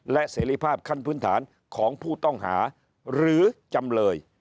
และเสรีภาพขั้นพื้นฐานของผู้ต้องหาหรือจำเลย